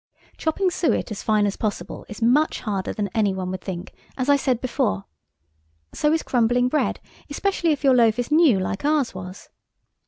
Chopping suet as fine as possible is much harder than any one would think, as I said before. So is crumbling bread–especially if your loaf is new, like ours was.